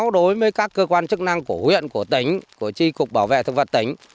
đối với các cơ quan chức năng của huyện của tỉnh của tri cục bảo vệ thực vật tỉnh